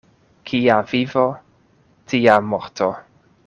Kia vivo, tia morto.